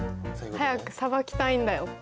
早くさばきたいんだよって。